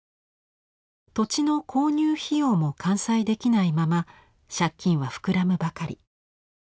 土地の購入費用も完済できないまま借金は膨らむばかり。